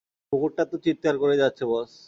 কুকুরটা তো চিৎকার করেই যাচ্ছে বস।